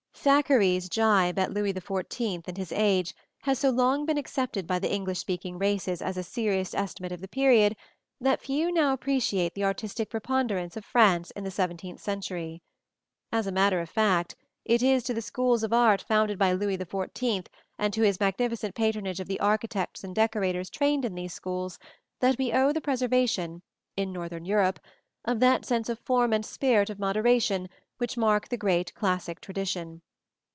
Thackeray's gibe at Louis XIV and his age has so long been accepted by the English speaking races as a serious estimate of the period, that few now appreciate the artistic preponderance of France in the seventeenth century. As a matter of fact, it is to the schools of art founded by Louis XIV and to his magnificent patronage of the architects and decorators trained in these schools that we owe the preservation, in northern Europe, of that sense of form and spirit of moderation which mark the great classic tradition.